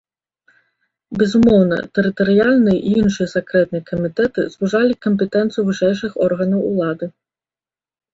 Безумоўна, тэрытарыяльныя і іншыя сакрэтныя камітэты звужалі кампетэнцыю вышэйшых органаў улады.